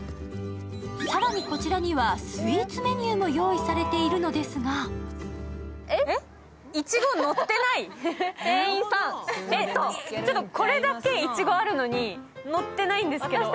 更に、こちらにはスイーツメニューも用意されているのですが店員さん、これだけいちごあるのに、のってないんですけど。